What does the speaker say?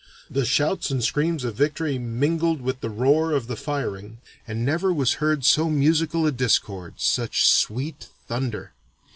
The shouts and screams of victory mingled with the roar of the firing, and never was heard 'so musical a discord, such sweet thunder.'